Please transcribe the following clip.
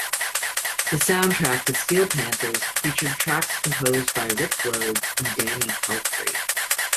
The soundtrack to Steel Panthers featured tracks composed by Rick Rhodes and Danny Pelfrey.